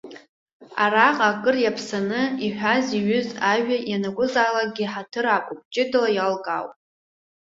Араҟа акыр иаԥсаны иҳәаз-иҩыз ажәа ианакәзаалакгьы ҳаҭыр ақәуп, ҷыдала иалкаауп.